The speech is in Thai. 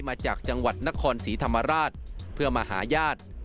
มาจากจังหวัดนครศรีธรรมราชเพื่อมาหาญาติ